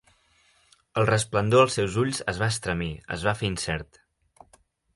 El resplendor als seus ulls es va estremir, es va fer incert.